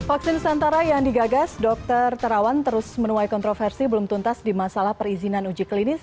vaksin nusantara yang digagas dokter terawan terus menuai kontroversi belum tuntas di masalah perizinan uji klinis